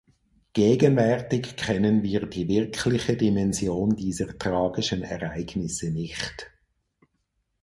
Gegenwärtig kennen wir die wirkliche Dimension dieser tragischen Ereignisse nicht.